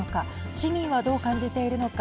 市民はどう感じているのか。